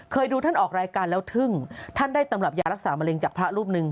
ดูท่านออกรายการแล้วทึ่งท่านได้ตำรับยารักษามะเร็งจากพระรูปหนึ่ง